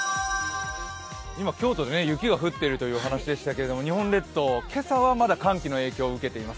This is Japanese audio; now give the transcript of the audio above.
今、京都で雪が降っているというお話でしたけれども、日本列島、今朝はまだ寒気の影響を受けています。